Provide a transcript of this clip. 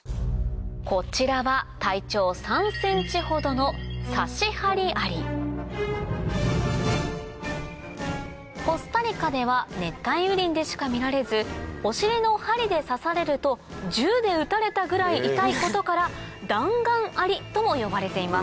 こちらは体長３ｃｍほどのサシハリアリコスタリカでは熱帯雨林でしか見られずお尻の針で刺されると銃で撃たれたぐらい痛いことからダンガンアリとも呼ばれています